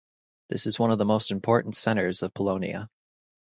This is one of the most important centers of Polonia.